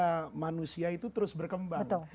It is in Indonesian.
karena manusia itu terus berkembang